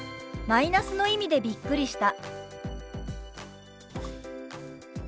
「プラスの意味でびっくりした」。